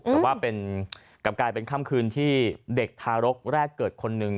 แต่ว่ากลับกลายเป็นค่ำคืนที่เด็กทารกแรกเกิดคนหนึ่ง